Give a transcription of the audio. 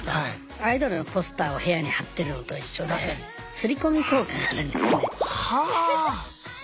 アイドルのポスターを部屋に貼ってるのと一緒で刷り込み効果があるんですね。